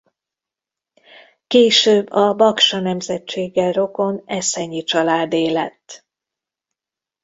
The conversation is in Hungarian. Később a Baksa nemzetséggel rokon Eszenyi családé lett.